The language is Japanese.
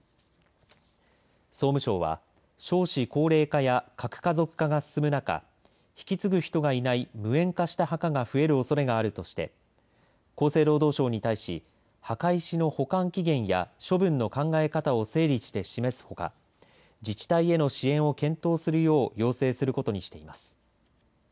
総務省は、少子高齢化や核家族化が進む中引き継ぐ人がいない無縁化した墓が増えることがあるとして厚生労働省に対し墓石の保管期限や処分の考え方を整理して示すほか自治体への支援を検討するよう要請することにしています。